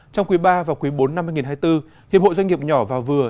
trong quý ba và quý bốn năm hai nghìn hai mươi bốn hiệp hội doanh nghiệp nhỏ và vừa